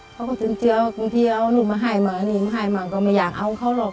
เขาก็ถึงเจือบางทีเอานู่นมาให้มานี่มาให้มาก็ไม่อยากเอาเขาหรอก